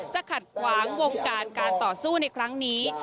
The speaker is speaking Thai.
ขัดขวางวงการการต่อสู้ในครั้งนี้